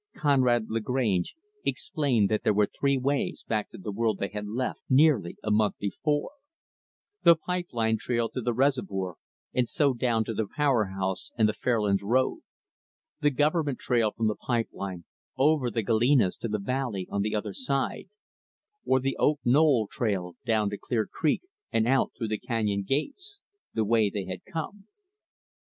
Conrad Lagrange explained that there were three ways back to the world they had left, nearly a month before the pipe line trail to the reservoir and so down to the power house and the Fairlands road; the Government trail from the pipe line, over the Galenas to the valley on the other side; or, the Oak Knoll trail down to Clear Creek and out through the canyon gates the way they had come.